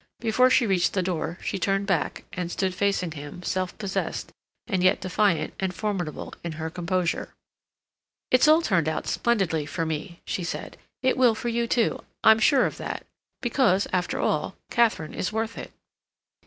Before she reached the door she turned back, and stood facing him, self possessed, and yet defiant and formidable in her composure. "It's all turned out splendidly for me," she said. "It will for you, too. I'm sure of that. Because, after all, Katharine is worth it."